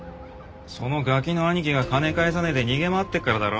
そのガキの兄貴が金返さねえで逃げ回ってるからだろ。